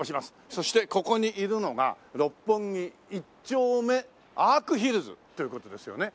そしてここにいるのが六本木一丁目アークヒルズという事ですよね。